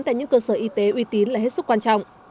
tại những cơ sở y tế uy tín là hết sức quan trọng